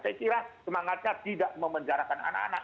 saya kira semangatnya tidak memenjarakan anak anak